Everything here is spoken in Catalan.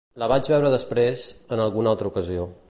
La vaig veure després, en alguna altra ocasió.